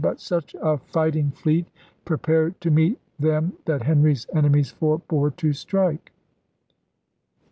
But such a fighting fleet prepared to meet them that Henry's enemies forbore to strike.